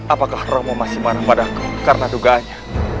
apakah romo masih marah marah karena dugaannya